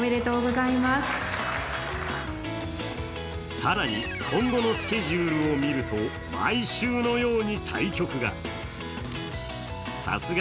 更に今後のスケジュールを見ると、毎週のように対局が。